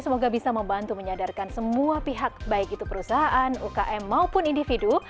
semoga bisa membantu menyadarkan semua pihak baik itu perusahaan ukm maupun individu